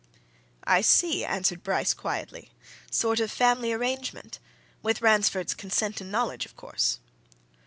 "I see," answered Bryce, quietly, "sort of family arrangement. With Ransford's consent and knowledge, of course?"